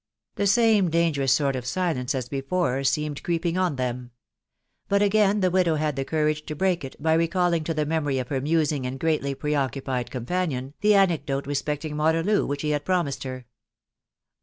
The same dangerous sort of silence as before seemed creep ing on them ; but again the widow had the courage to break it, by recalling to the memory of her musing and greatly pre occupied companion the anecdote respecting Waterloo which he had promised her.